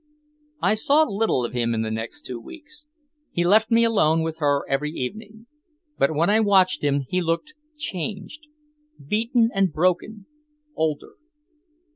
I saw little of him in the next two weeks. He left me alone with her every evening. But when I watched him he looked changed beaten and broken, older.